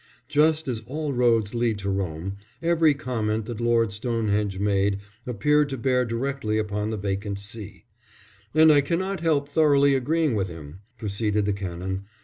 Just as all roads lead to Rome, every comment that Lord Stonehenge made appeared to bear directly upon the vacant See. "And I cannot help thoroughly agreeing with him," proceeded the Canon.